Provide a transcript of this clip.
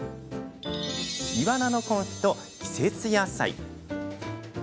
イワナのコンフィと季節野菜。